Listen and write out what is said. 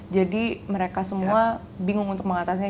jadi mereka semua bingung untuk mengatasinya